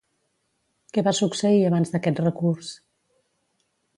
Què va succeir abans d'aquest recurs?